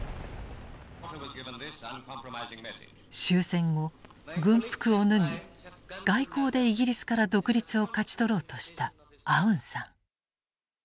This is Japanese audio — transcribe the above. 終戦後軍服を脱ぎ外交でイギリスから独立を勝ち取ろうとしたアウンサン。